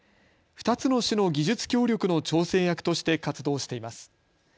２つの市の技術協力の調整役として活動しています。